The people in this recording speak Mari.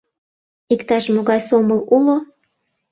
— Иктаж-могай сомыл уло?